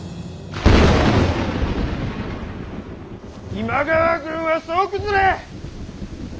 今川軍は総崩れ！